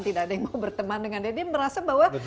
tidak ada yang mau berteman dengan dia dia merasa bahwa